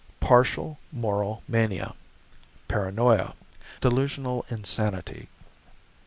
=Partial Moral Mania Paranoia Delusional Insanity.